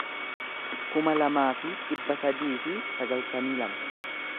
kuma lamaa fi dhibba sadii fi sagaltamii lama